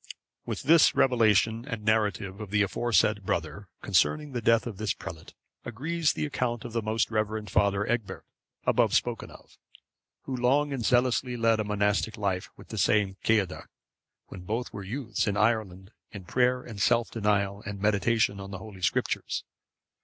With this revelation and narrative of the aforesaid brother, concerning the death of this prelate, agrees the account of the most reverend Father Egbert, above spoken of,(552) who long and zealously led a monastic life with the same Ceadda, when both were youths, in Ireland, in prayer and self denial and meditation on the Holy Scriptures.